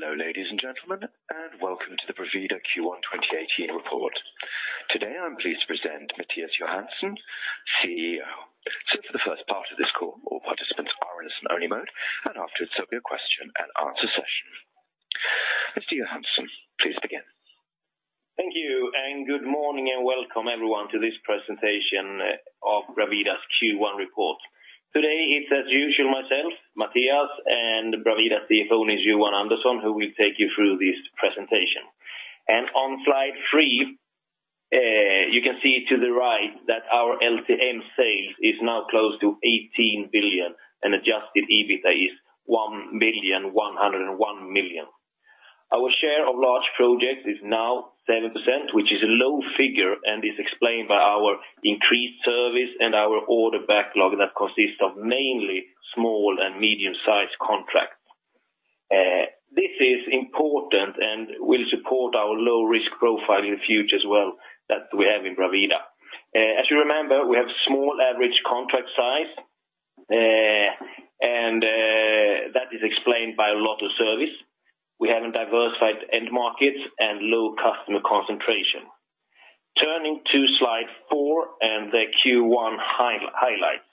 Hello, ladies and gentlemen, and welcome to the Bravida Q1 2018 report. Today, I'm pleased to present Mattias Johansson, CEO. For the first part of this call, all participants are in listen only mode, and after, it will be a question and answer session. Mr. Johansson, please begin. Thank you. Good morning. Welcome everyone to this presentation of Bravida's Q1 report. Today, it's as usual, myself, Mattias, and Bravida CFO is Nils-Johan Andersson, who will take you through this presentation. On slide three, you can see to the right that our LTM sales is now close to 18 billion, and adjusted EBITDA is 1.101 billion. Our share of large projects is now 7%, which is a low figure and is explained by our increased service and our order backlog that consists of mainly small and medium-sized contracts. This is important and will support our low risk profile in the future as well, that we have in Bravida. As you remember, we have small average contract size, and that is explained by a lot of service. We have a diversified end markets and low customer concentration. Turning to slide 4 and the Q1 highlights.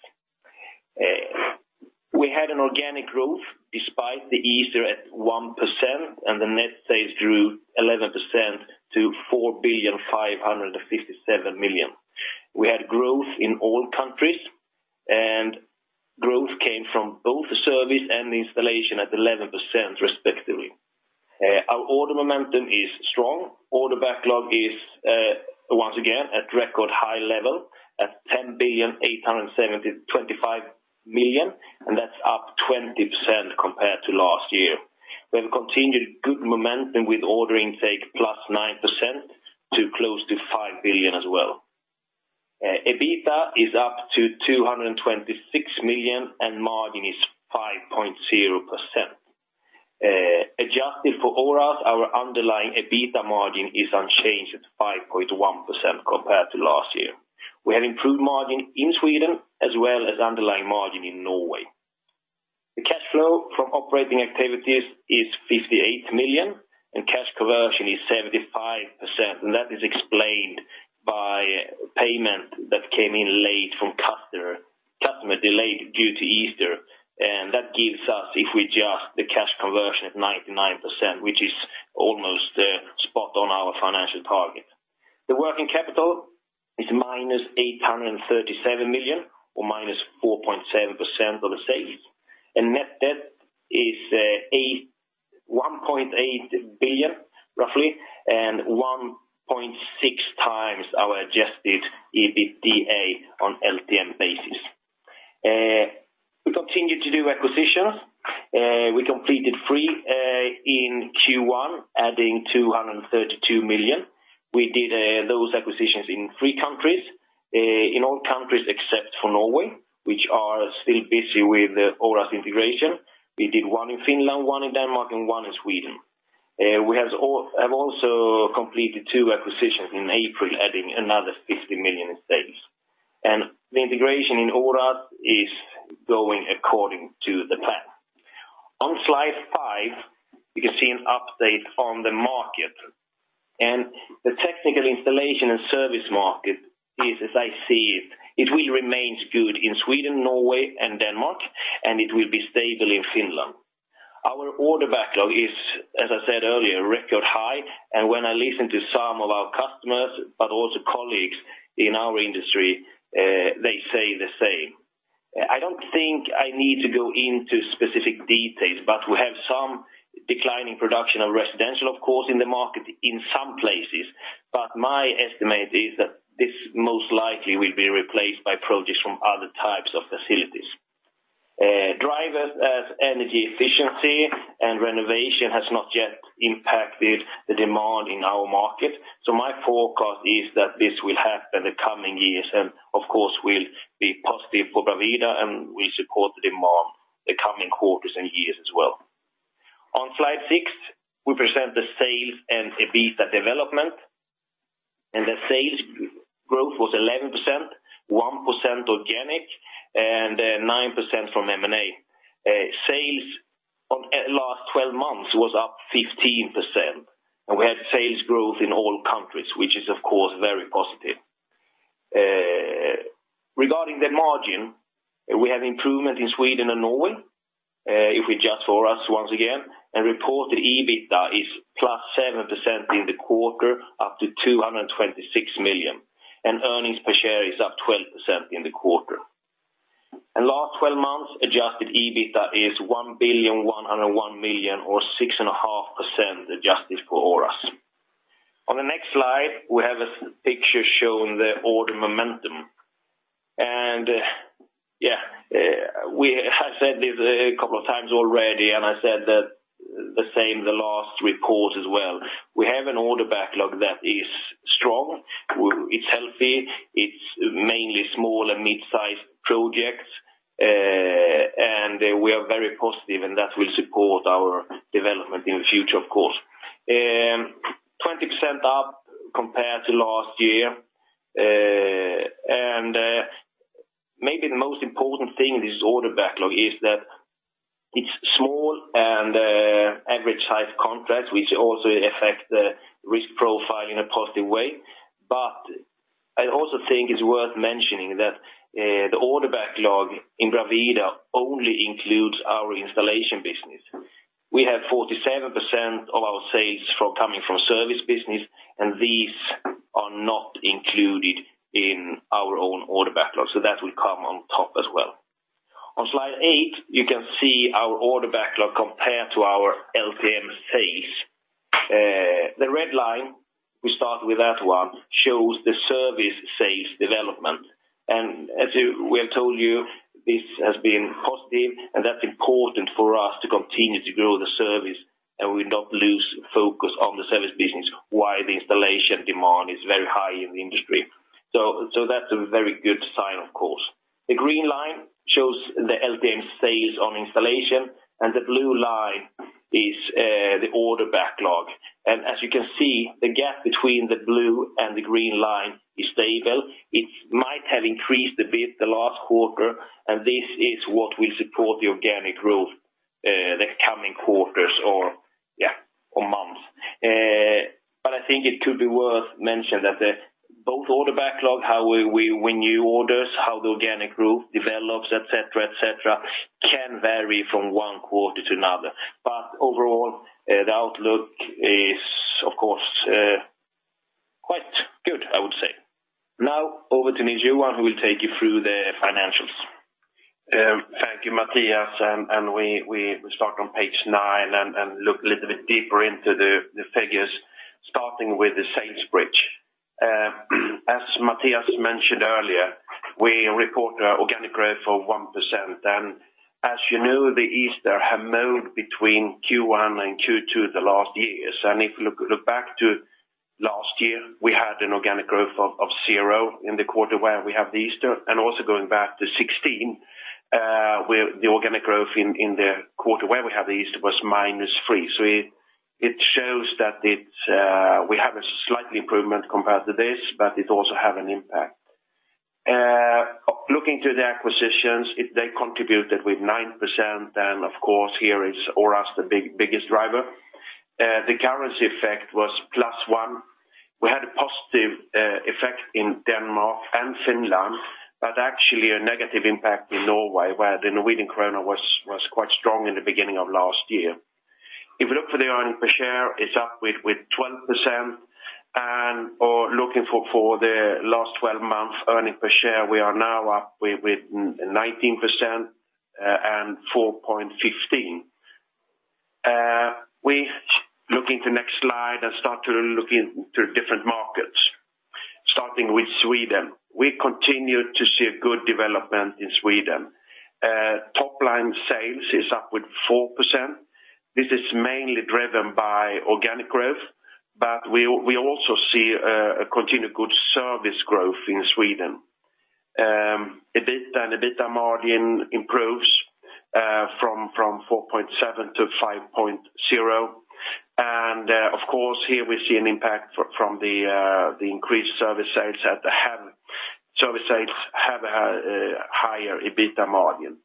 We had an organic growth despite the Easter at 1%. The net sales grew 11% to 4.557 billion. We had growth in all countries. Growth came from both the service and the installation at 11%, respectively. Our order momentum is strong. Order backlog is once again at record high level, at 10.875 billion. That's up 20% compared to last year. We have continued good momentum with order intake +9% to close to 5 billion as well. EBITDA is up to 226 million, and margin is 5.0%. Adjusted for Oras, our underlying EBITDA margin is unchanged at 5.1% compared to last year. We have improved margin in Sweden, as well as underlying margin in Norway. The cash flow from operating activities is 58 million, and cash conversion is 75%, and that is explained by payment that came in late from customer delayed due to Easter. That gives us, if we adjust the cash conversion at 99%, which is almost spot on our financial target. The working capital is -837 million or -4.7% of the sales, net debt is 1.8 billion, roughly, and 1.6x our adjusted EBITDA on LTM basis. We continue to do acquisitions. We completed three in Q1, adding 232 million. We did those acquisitions in 3 countries, in all countries except for Norway, which are still busy with the Oras integration. We did 1 in Finland, 1 in Denmark, and 1 in Sweden. We have also completed 2 acquisitions in April, adding another 50 million in sales. The integration in Oras is going according to the plan. On slide 5, you can see an update on the market, and the technical installation and service market is, as I see it will remain good in Sweden, Norway, and Denmark, and it will be stable in Finland. Our order backlog is, as I said earlier, record high, and when I listen to some of our customers, but also colleagues in our industry, they say the same. I don't think I need to go into specific details, but we have some declining production of residential, of course, in the market in some places, but my estimate is that this most likely will be replaced by projects from other types of facilities. Drivers as energy efficiency and renovation has not yet impacted the demand in our market, so my forecast is that this will happen in the coming years, and of course, will be positive for Bravida, and we support the demand the coming quarters and years as well. On slide 6, we present the sales and EBITDA development, and the sales growth was 11%, 1% organic, and 9% from M&A. Sales on last 12 months was up 15%, and we had sales growth in all countries, which is, of course, very positive. Regarding the margin, we have improvement in Sweden and Norway, if we adjust Oras once again. Reported EBITDA is +7% in the quarter, up to 226 million. Earnings per share is up 12% in the quarter. In last 12 months, adjusted EBITDA is 1.101 billion, or 6.5% adjusted for Oras. On the next slide, we have a picture showing the order momentum. Yeah, we have said this a couple of times already, and I said that the same the last report as well. We have an order backlog that is strong, it's healthy, it's mainly small and mid-sized projects, and we are very positive, and that will support our development in the future, of course. 20% up compared to last year. thing, this order backlog is that it's small and average size contracts, which also affect the risk profile in a positive way. I also think it's worth mentioning that the order backlog in Bravida only includes our installation business. We have 47% of our sales from coming from service business. These are not included in our own order backlog, that will come on top as well. On slide 8, you can see our order backlog compared to our LTM sales. The red line, we start with that one, shows the service sales development. As we have told you, this has been positive, and that's important for us to continue to grow the service. We not lose focus on the service business while the installation demand is very high in the industry. That's a very good sign, of course. The green line shows the LTM sales on installation, the blue line is the order backlog. As you can see, the gap between the blue and the green line is stable. It might have increased a bit the last quarter, this is what will support the organic growth the coming quarters or, yeah, or months. I think it could be worth mentioning that the both order backlog, how we win new orders, how the organic growth develops, et cetera, et cetera, can vary from one quarter to another. Overall, the outlook is, of course, quite good, I would say. Now, over to Nils-Johan, who will take you through the financials. Thank you, Mattias. We start on page 9 and look a little bit deeper into the figures, starting with the sales bridge. As Mattias mentioned earlier, we report our organic growth for 1%. As you know, the Easter have moved between Q1 and Q2 the last years. If you look back to last year, we had an organic growth of 0 in the quarter where we have the Easter, also going back to 2016, where the organic growth in the quarter where we have the Easter was -3. It shows that it's, we have a slight improvement compared to this, but it also have an impact. Looking to the acquisitions, they contributed with 9%, and of course, here is Oras, the biggest driver. The currency effect was +1. We had a positive effect in Denmark and Finland, but actually a negative impact in Norway, where the Norwegian Krone was quite strong in the beginning of last year. If you look for the earnings per share, it's up with 12%, and looking for the last 12 months, earnings per share, we are now up with 19%, and 4.15. We looking to next slide and start to look into different markets, starting with Sweden. We continue to see a good development in Sweden. Top line sales is up with 4%. This is mainly driven by organic growth, but we also see a continued good service growth in Sweden. EBITDA and EBITDA margin improves from 4.7%-5.0%. Of course, here we see an impact from the increased service sales at the service sales have a higher EBITDA margin.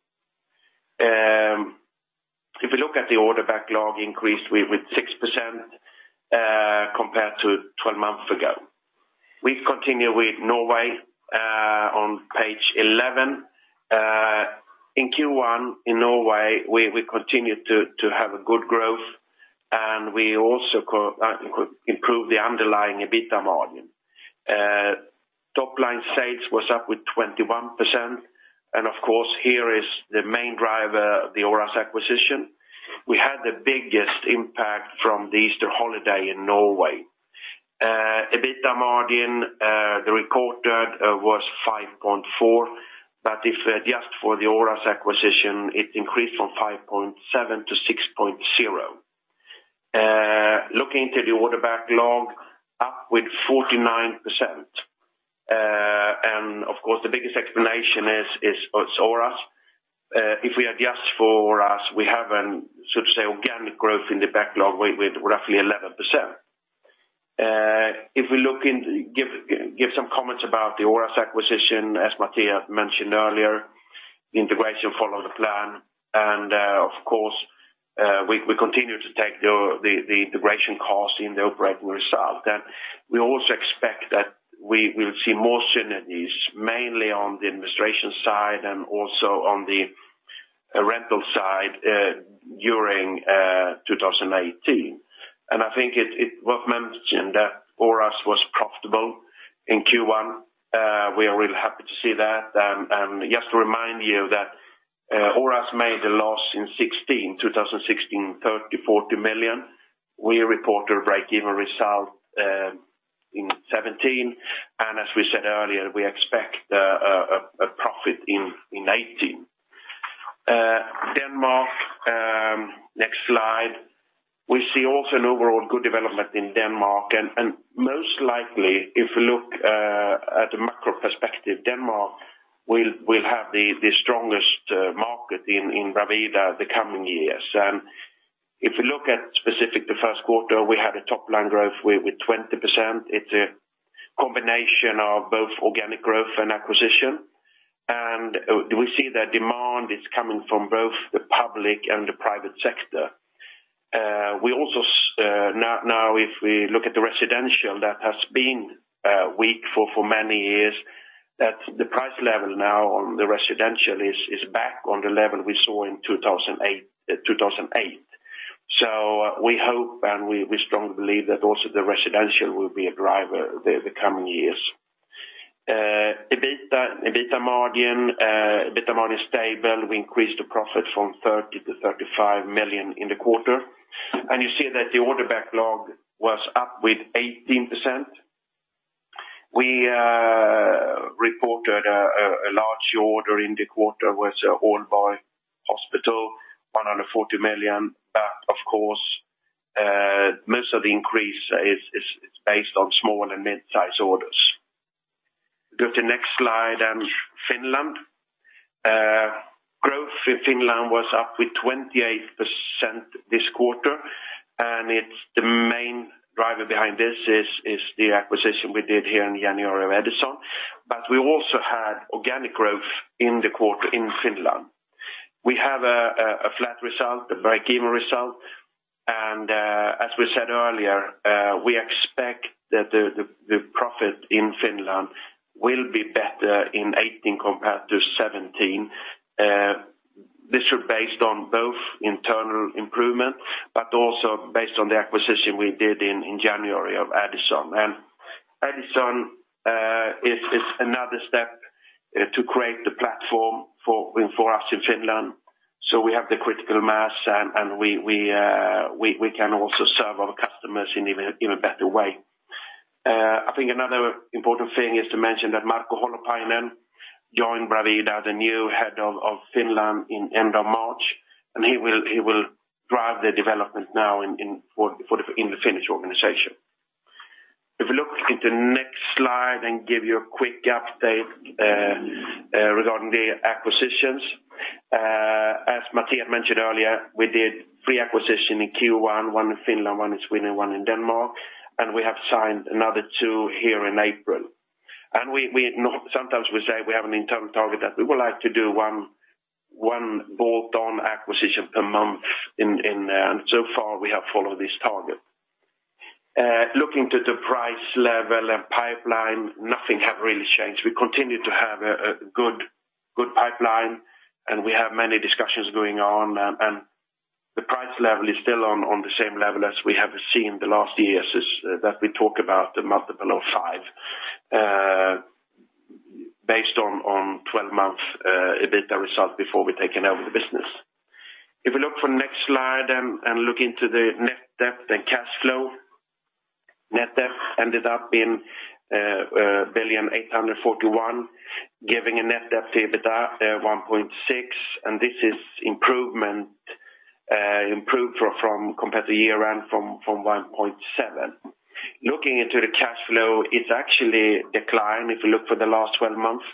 If you look at the order backlog increased with 6%, compared to 12 months ago. We continue with Norway on page 11. In Q1, in Norway, we continue to have a good growth, and we also improve the underlying EBITDA margin. Top line sales was up with 21%. Of course, here is the main driver of the Oras acquisition. We had the biggest impact from the Easter holiday in Norway. EBITDA margin recorded was 5.4, if just for the Oras acquisition, it increased from 5.7-6.0. Looking into the order backlog, up with 49%. And of course, the biggest explanation is, it's Oras. If we adjust for Oras, we have an, so to say, organic growth in the backlog with roughly 11%. If we look in, give some comments about the Oras acquisition, as Mattias mentioned earlier, integration follow the plan. Of course, we continue to take the integration cost in the operating result. We also expect that we will see more synergies, mainly on the administration side and also on the rental side, during 2018. I think it worth mentioning that Oras was profitable in Q1. We are really happy to see that. Just to remind you that Oras made a loss in 2016, 30 million-40 million. We report a break-even result in 2017, and as we said earlier, we expect a profit in 2018. Denmark, next slide. We see also an overall good development in Denmark, and most likely, if you look at the macro perspective, Denmark will have the strongest market in Bravida the coming years. If you look at specific, the first quarter, we had a top line growth with 20%. It's a combination of both organic growth and acquisition, and we see that demand is coming from both the public and the private sector. We also, if we look at the residential, that has been weak for many years, that the price level now on the residential is back on the level we saw in 2008. We hope, and we strongly believe that also the residential will be a driver the coming years. EBITDA margin stable, we increased the profit from 30 million to 35 million in the quarter. You see that the order backlog was up with 18%. We reported a large order in the quarter, was Turku University Hospital, 140 million. Of course, most of the increase is based on small and mid-size orders. Go to the next slide, Finland. Growth in Finland was up with 28% this quarter, and it's the main driver behind this is the acquisition we did here in January of Adison Oy. We also had organic growth in the quarter in Finland. We have a flat result, a very even result, and as we said earlier, we expect that the profit in Finland will be better in 2018 compared to 2017. This is based on both internal improvement, but also based on the acquisition we did in January of Adison Oy. Adison Oy is another step to create the platform for us in Finland. We have the critical mass, and we can also serve our customers in even, in a better way. I think another important thing is to mention that Marko Holopainen joined Bravida as the new Head of Finland in end of March, he will drive the development now in the Finnish organization. If you look at the next slide and give you a quick update regarding the acquisitions, as Mattias mentioned earlier, we did 3 acquisitions in Q1, 1 in Finland, 1 in Sweden, 1 in Denmark, We have signed another 2 here in April. Sometimes we say we have an internal target that we would like to do 1 bolt-on acquisition per month in. So far, we have followed this target. Looking to the price level and pipeline, nothing have really changed. We continue to have a good pipeline. We have many discussions going on. The price level is still on the same level as we have seen the last years, is that we talk about the multiple of 5 based on 12-month EBITDA result before we've taken over the business. If we look for next slide and look into the net debt and cash flow, net debt ended up in 1.841 billion, giving a net debt to EBITDA 1.6. This is improvement improved from, compared to year-end from 1.7. Looking into the cash flow, it's actually declined if you look for the last 12 months,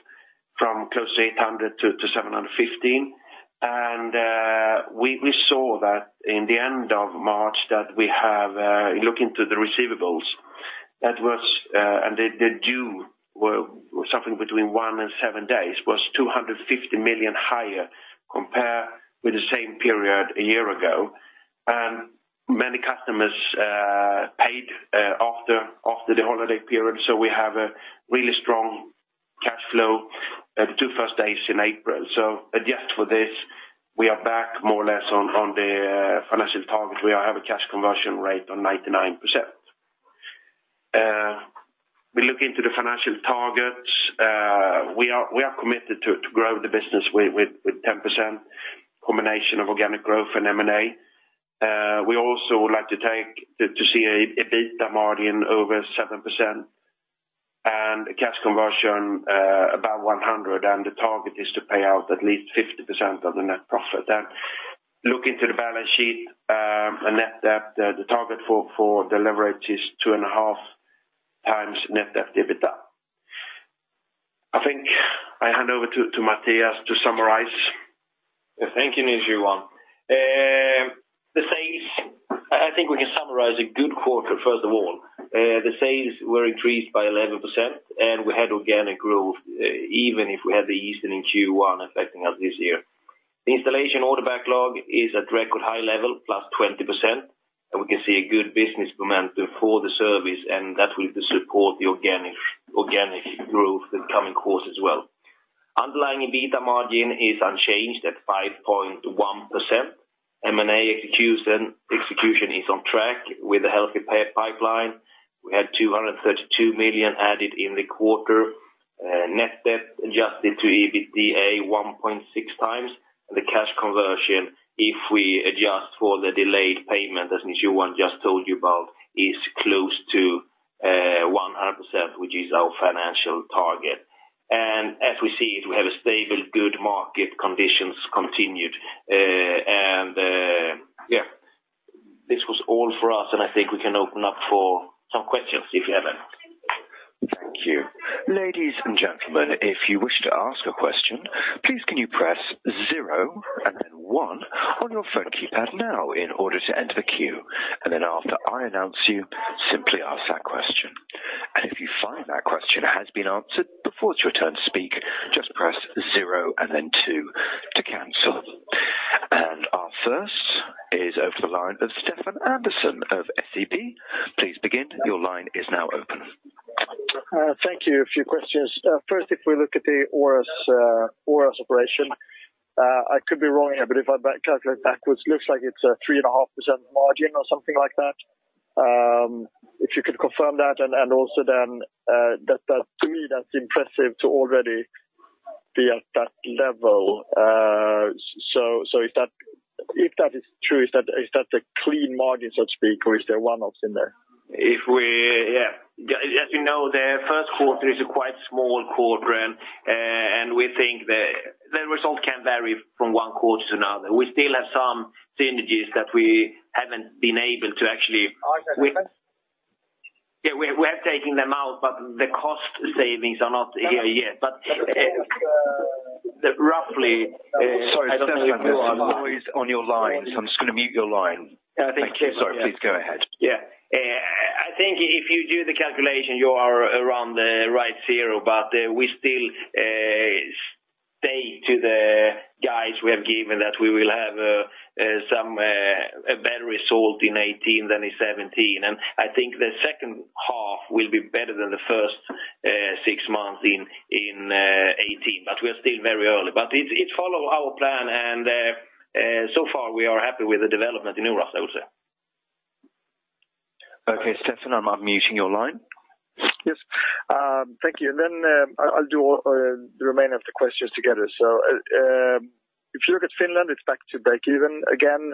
from close to 800 million to 715 million. We saw that in the end of March, that we have looking to the receivables, that was and the due were something between one and seven days, was 250 million higher compare with the same period a year ago. Many customers paid after the holiday period, so we have a really strong cash flow the 2 first days in April. Adjust for this, we are back more or less on the financial target. We have a cash conversion rate on 99%. We look into the financial targets, we are committed to grow the business with 10%, combination of organic growth and M&A. We also would like to see an EBITDA margin over 7% and a cash conversion about 100, and the target is to pay out at least 50% of the net profit. Look into the balance sheet, a net debt, the target for the leverage is 2.5x net debt to EBITDA. I think I hand over to Mattias to summarize. Thank you, Nils-Johan. The sales, I think we can summarize a good quarter, first of all. The sales were increased by 11%, and we had organic growth, even if we had the Easter in Q1 affecting us this year. The installation order backlog is at record high level, +20%, and we can see a good business momentum for the service, and that will support the organic growth in the coming quarters as well. Underlying EBITDA margin is unchanged at 5.1%. M&A execution is on track with a healthy pay pipeline. We had 232 million added in the quarter. Net debt adjusted to EBITDA, 1.6x. The cash conversion, if we adjust for the delayed payment, as Nils-Johan just told you about, is close to 100%, which is our financial target. As we see it, we have a stable, good market conditions continued. And yeah, this was all for us, and I think we can open up for some questions if you have any. Thank you. Ladies and gentlemen, if you wish to ask a question, please, can you press 0 and then 1 on your phone keypad now in order to enter the queue, and then after I announce you, simply ask that question. If you find that question has been answered before it's your turn to speak, just press 0 and then 2 to cancel. Our first is over the line of Stefan Andersson of SEB. Please begin, your line is now open. Thank you. A few questions. First, if we look at the Oras operation, I could be wrong here, but if I calculate backwards, looks like it's a 3.5% margin or something like that. If you could confirm that, and also then, that to me, that's impressive to already be at that level. If that is true, is that a clean margin, so to speak, or is there one-offs in there? If we, yeah, as you know, the first quarter is a quite small quarter. We think the result can vary from one quarter to another. We still have some synergies that we haven't been able to. I understand. We are taking them out, but the cost savings are not here yet. But, uh- roughly, I don't know. Sorry, Stefan, there's some noise on your line, so I'm just gonna mute your line. I think- Sorry, please go ahead. Yeah. I think if you do the calculation, you are around the right zero, but we still stay to the guides we have given, that we will have some a better result in 2018 than in 2017. I think the second half will be better than the first six months in 2018, but we're still very early. It follow our plan, and so far we are happy with the development in Oras, also. Okay, Stefan, I'm unmuting your line. Yes. Thank you. I'll do all the remainder of the questions together. If you look at Finland, it's back to break even again.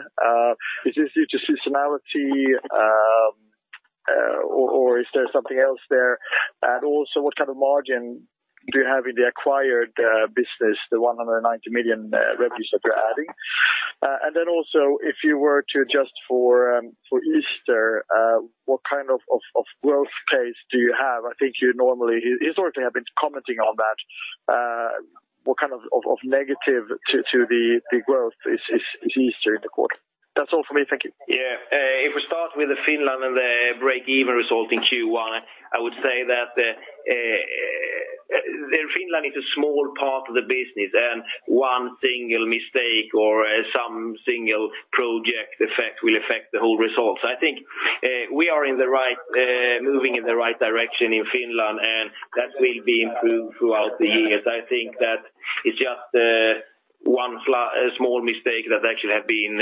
Is this due to seasonality or is there something else there? What kind of margin do you have in the acquired business, the 190 million revenues that you're adding? If you were to adjust for Easter, what kind of growth pace do you have? I think you normally, historically, have been commenting on that. What kind of negative to the growth is Easter in the quarter? That's all for me. Thank you. If we start with the Finland and the break-even result in Q1, I would say that the Finland is a small part of the business, and one single mistake or some single project effect will affect the whole results. I think we are in the right moving in the right direction in Finland, and that will be improved throughout the years. I think that it's just one small mistake that actually have been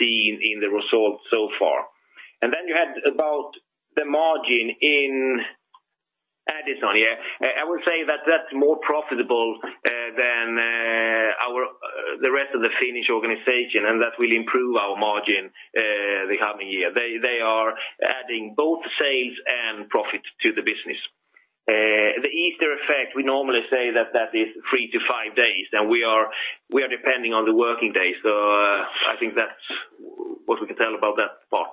seen in the results so far. Then you had about the margin in Adison. I would say that that's more profitable than our the rest of the Finnish organization, and that will improve our margin the coming year. They are adding both sales and profit to the business. The Easter effect, we normally say that that is 3 days-5 days, and we are depending on the working days. I think that's what we can tell about that part.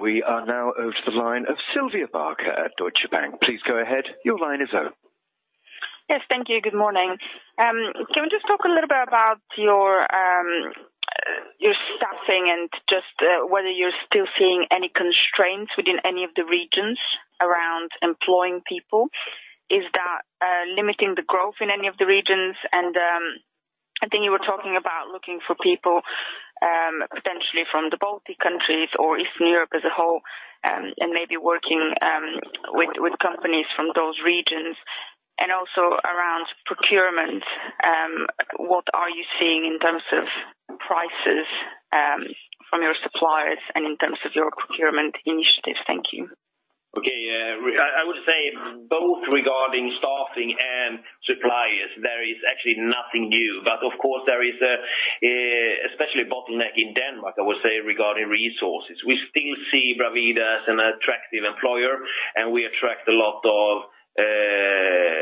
We are now over to the line of Siobhan Lynch at Deutsche Bank. Please go ahead. Your line is open. Yes, thank you. Good morning. Can we just talk a little bit about your staffing and just whether you're still seeing any constraints within any of the regions around employing people? Is that limiting the growth in any of the regions? I think you were talking about looking for people potentially from the Baltic countries or Eastern Europe as a whole and maybe working with companies from those regions. Also around procurement, what are you seeing in terms of prices from your suppliers and in terms of your procurement initiatives? Thank you. Okay. I would say both regarding staffing and suppliers, there is actually nothing new. Of course, there is a especially a bottleneck in Denmark, I would say, regarding resources. We still see Bravida as an attractive employer, and we attract a lot of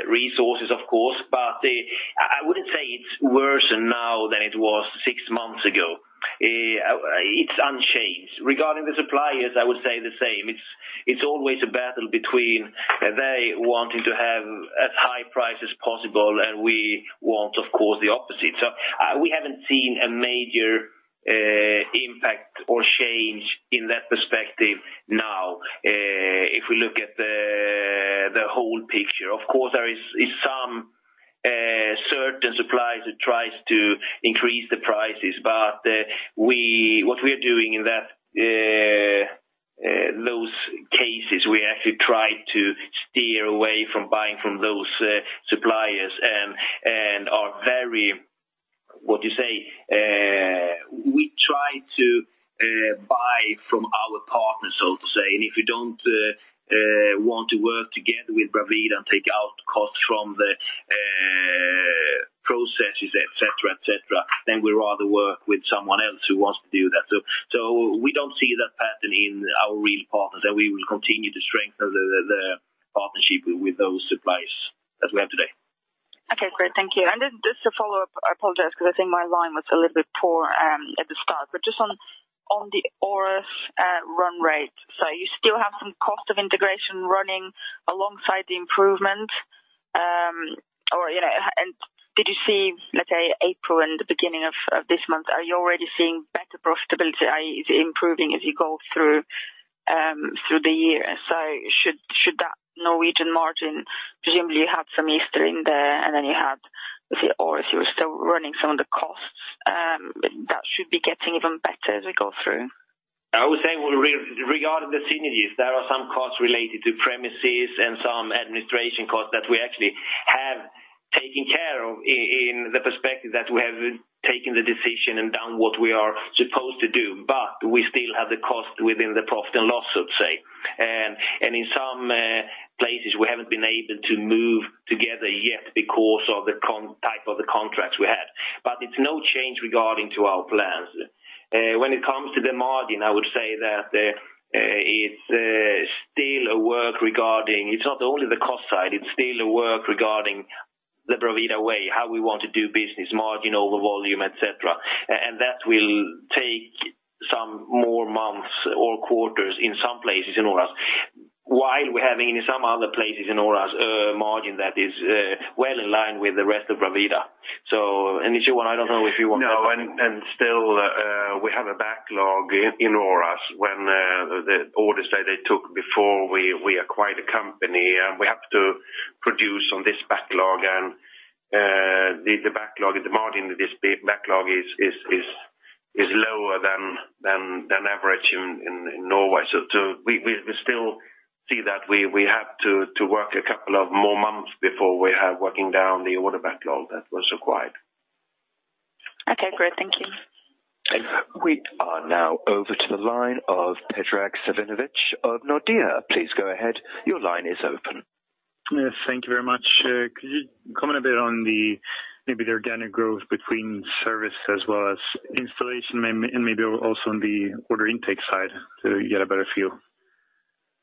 resources, of course. I wouldn't say it's worse now than it was six months ago. It's unchanged. Regarding the suppliers, I would say the same. It's always a battle between them wanting to have as high price as possible, and we want, of course, the opposite. We haven't seen a major impact or change in that perspective now, if we look at the whole picture. Of course, there is some certain suppliers who tries to increase the prices, but what we are doing in that those cases, we actually try to steer away from buying from those suppliers and are very... What you say? We try to buy from our partners, so to say, and if you don't want to work together with Bravida and take out costs from the processes, et cetera, then we rather work with someone else who wants to do that. We don't see that pattern in our real partners, and we will continue to strengthen the partnership with those suppliers that we have today. Okay, great. Thank you. Then just to follow up, I apologize because I think my line was a little bit poor at the start. Just on the Oras run rate. You still have some cost of integration running alongside the improvement, or, you know, and did you see, let's say, April and the beginning of this month, are you already seeing better profitability? Is it improving as you go through the year? Should that Norwegian margin, presumably you had some Easter in there, and then you had, let's say, Oras, you were still running some of the costs, but that should be getting even better as we go through. I would say regarding the synergies, there are some costs related to premises and some administration costs that we actually have taken care of in the perspective that we have taken the decision and done what we are supposed to do. We still have the cost within the profit and loss, let's say. In some places, we haven't been able to move together yet because of the type of the contracts we had. It's no change regarding to our plans. When it comes to the margin, I would say that it's still a work. It's not only the cost side, it's still a work regarding the Bravida Way, how we want to do business, margin over volume, et cetera. That will take some more months or quarters in some places in Oras. While we're having in some other places in Oras, margin that is, well in line with the rest of Bravida. Nils-Johan, I don't know if you want to- Still, we have a backlog in Oras when the orders that they took before we acquired the company, and we have to produce on this backlog. The backlog, the margin of this backlog is lower than average in Norway. We still see that we have to work a couple of more months before we are working down the order backlog that was acquired. Okay, great. Thank you. We are now over to the line of Predrag Savinovic of Nordea. Please go ahead. Your line is open. Yes, thank you very much. Could you comment a bit on the, maybe the organic growth between service as well as installation and maybe also on the order intake side to get a better feel?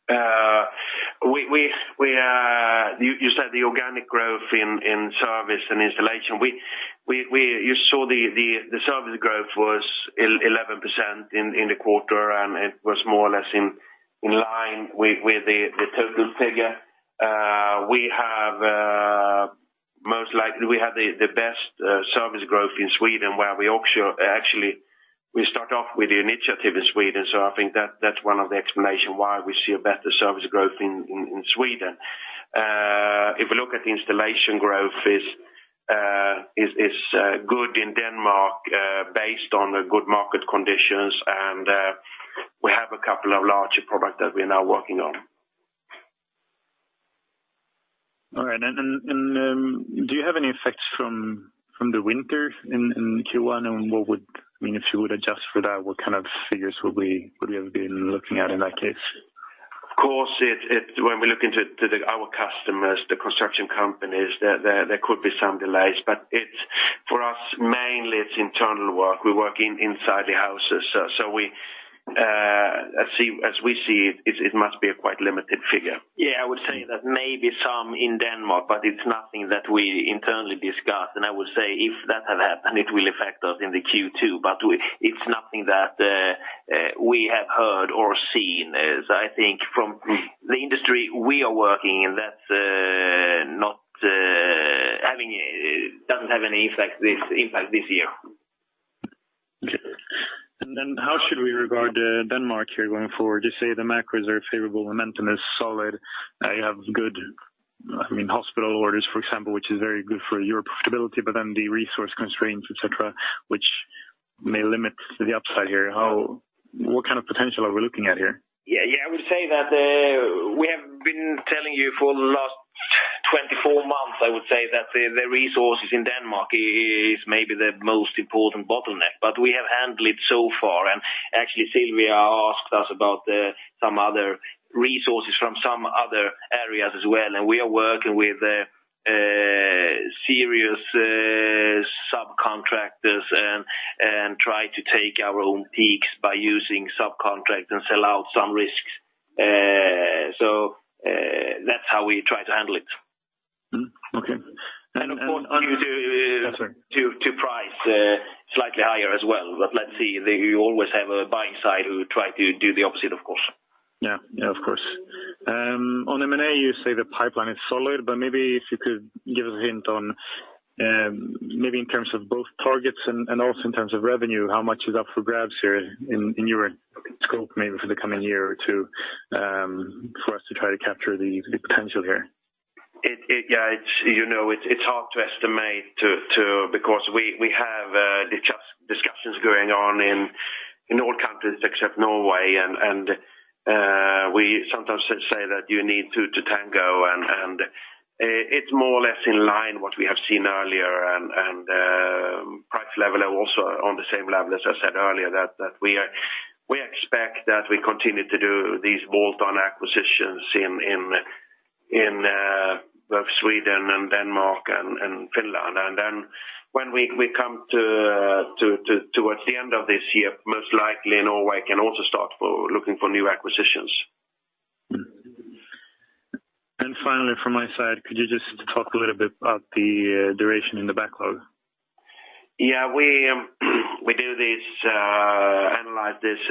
We, you said the organic growth in service and installation. We, you saw the service growth was 11% in the quarter, and it was more or less in line with the total figure. We have, most likely, we have the best service growth in Sweden, where we actually, we start off with the initiative in Sweden. I think that's one of the explanation why we see a better service growth in Sweden. If we look at the installation growth, is good in Denmark, based on the good market conditions, and, we have a couple of larger product that we're now working on. All right. Do you have any effects from the winter in Q1? What would... I mean, if you would adjust for that, what kind of figures would we have been looking at in that case? Of course, it, when we look into the, our customers, the construction companies, there could be some delays. For us, mainly it's internal work. We work inside the houses. We, as we see it must be a quite limited figure. I would say that maybe some in Denmark, but it's nothing that we internally discuss. I would say if that had happened, it will affect us in the Q2, but it's nothing that we have heard or seen. I think from the industry we are working in, that's not having doesn't have any effect impact this year. Okay. How should we regard Denmark here going forward? You say the macros are favorable, momentum is solid, you have good, I mean, hospital orders, for example, which is very good for your profitability, the resource constraints, et cetera, which may limit the upside here. What kind of potential are we looking at here? Yeah, yeah, I would say that, we have been telling you for the last 24 months, I would say, that the resources in Denmark is maybe the most important bottleneck, but we have handled it so far. Actually, Siobhan asked us about, some other resources from some other areas as well, and we are working with, serious, subcontractors and try to take our own peaks by using subcontractors and sell out some risks. That's how we try to handle it. Mm-hmm. Okay. Of course, to price slightly higher as well. Let's see, you always have a buying side who try to do the opposite, of course. Yeah, yeah, of course. On M&A, you say the pipeline is solid. Maybe if you could give us a hint on, maybe in terms of both targets and also in terms of revenue, how much is up for grabs here in your scope, maybe for the coming year or two, for us to try to capture the potential here? Yeah, it's, you know, it's hard to estimate. Because we have discussions going on in all countries except Norway, we sometimes say that you need two to tango, it's more or less in line what we have seen earlier. Price level are also on the same level as I said earlier, we expect that we continue to do these bolt-on acquisitions in both Sweden and Denmark and Finland. When we come towards the end of this year, most likely, Norway can also start for looking for new acquisitions. Finally, from my side, could you just talk a little bit about the duration in the backlog? Yeah, we do this, analyze this,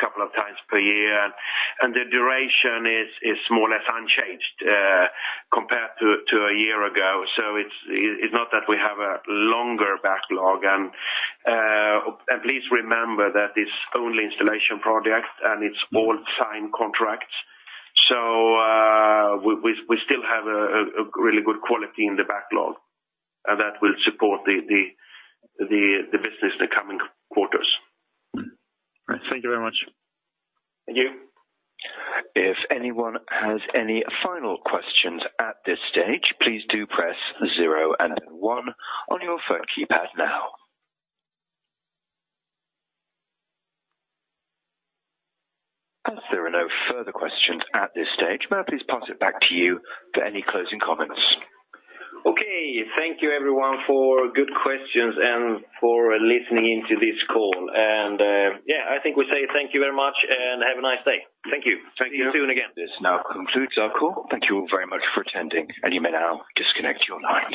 couple of times per year, and the duration is more or less unchanged, compared to a year ago. It's not that we have a longer backlog. Please remember that it's only installation projects, and it's all signed contracts. We still have a really good quality in the backlog, and that will support the business in the coming quarters. All right. Thank you very much. Thank you. If anyone has any final questions at this stage, please do press zero and one on your phone keypad now. As there are no further questions at this stage, may I please pass it back to you for any closing comments? Okay. Thank you, everyone, for good questions and for listening in to this call. I think we say thank you very much, and have a nice day. Thank you. Thank you. See you again. This now concludes our call. Thank you all very much for attending, and you may now disconnect your lines.